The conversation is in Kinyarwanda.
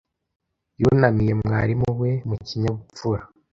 Yunamiye mwarimu we mu kinyabupfura.